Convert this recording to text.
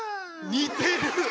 似てる！